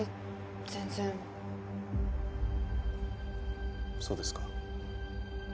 全然そうですか